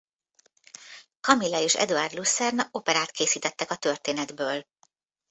Camilla and Eduard Lucerna operát készítettek a történetből.